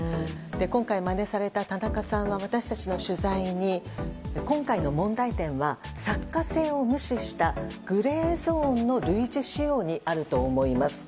今回まねされた、たなかさんは私たちの取材に今回の問題点は作家性を無視したグレーゾーンの類似使用にあると思います。